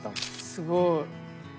すごい。